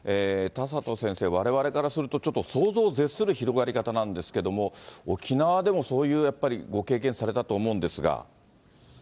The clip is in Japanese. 田里先生、われわれからすると、ちょっと想像を絶する広がり方なんですけれども、沖縄でもそういうやっぱり、ご経験されたと思うんですが。